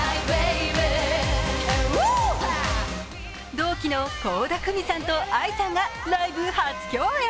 同期の倖田來未さんとＡＩさんがライブ初共演。